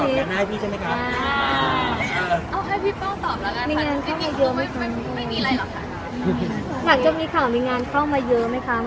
หาก็มีเขารูมีงานเข้ามาเยอะไหม